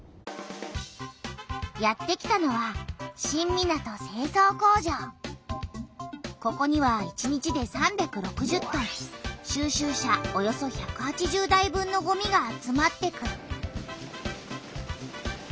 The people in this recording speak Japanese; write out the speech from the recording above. やってきたのはここには１日で３６０トン収集車およそ１８０台分のごみが集まってくる。